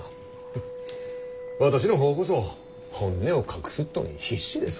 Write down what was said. フッ私の方こそ本音を隠すっとに必死です。